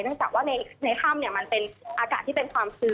เนื่องจากว่าในค่ำมันเป็นอาจารย์ที่เป็นความพื้น